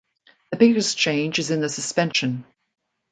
The biggest change is in the suspension.